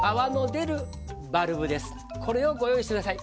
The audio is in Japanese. これをご用意して下さい。